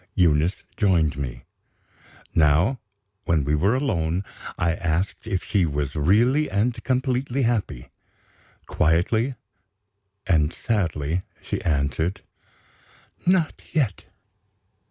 Eunice joined me. Now, when we were alone, I asked if she was really and completely happy. Quietly and sadly she answered: "Not yet."